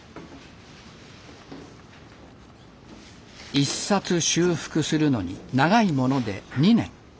１冊修復するのに長いもので２年。